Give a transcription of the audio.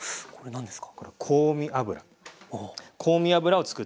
何ですか？